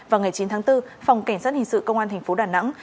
vào ngày chín tháng bốn phòng cảnh sát hình sự công an thành phố đà nẵng